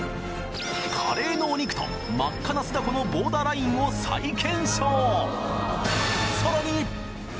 カレーのお肉と真っ赤な酢だこのボーダーラインを再検証！